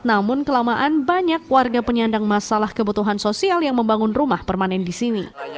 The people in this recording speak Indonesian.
namun kelamaan banyak warga penyandang masalah kebutuhan sosial yang membangun rumah permanen di sini